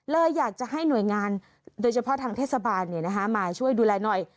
อยากจะให้หน่วยงานโดยเฉพาะทางเทศบาลมาช่วยดูแลหน่อย